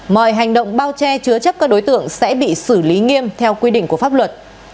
mọi hành động bao che chứa chấp các đối tượng sẽ bị xử lý nghiêm theo quy định của pháp luật